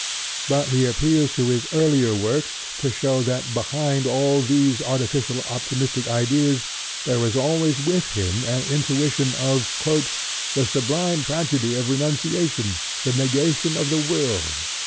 But he appeals to his earlier works to show that behind all these artificial optimistic ideas there was always with him an intuition of "the sublime tragedy of renunciation, the negation of the will."